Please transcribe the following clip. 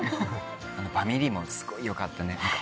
バミリもすごいよかったね